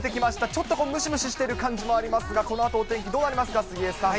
ちょっとムシムシしている感じもありますが、このあとのお天気どうなりますか、杉江さん。